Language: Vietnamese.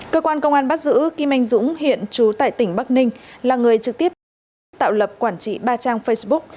cơ quan công an bắt giữ kim anh dũng hiện trú tại tỉnh bắc ninh là người trực tiếp tổ chức tạo lập quản trị ba trang facebook